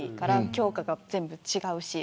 教科が全部違うし。